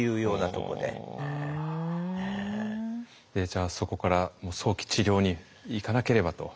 じゃあそこから早期治療にいかなければと。